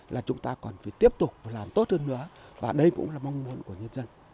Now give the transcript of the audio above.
là chúng ta còn phải tiếp tục và làm tốt hơn nữa và đây cũng là mong muốn của nhân dân